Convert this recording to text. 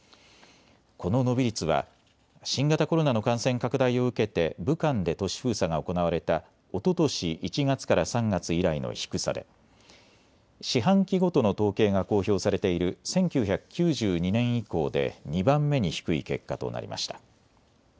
この伸び率は新型コロナの感染拡大を受けて武漢で都市封鎖が行われたおととし１月から３月以来の低さで四半期ごとの統計が公表されている１９９２年以降で２番目に低い結果となりました。